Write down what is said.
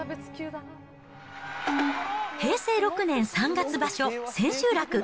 平成６年３月場所、千秋楽。